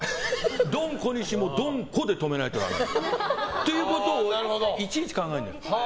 ドン小西もドンコで止めないとダメなんだよ。ということをいちいち考えるのよ。